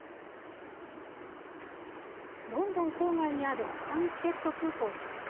ロンドン郊外にあるスタンステッド空港です。